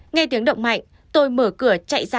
nghe tiếng động mạnh tôi mở cửa chạy ra